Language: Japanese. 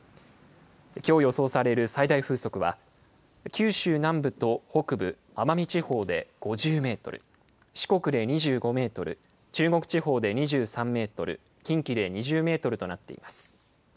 きょう予想される最大風速は九州南部と北部、奄美地方で５０メートル、四国で２５メートル、中国地方で２３メートル、近畿で２０メートルとなっています。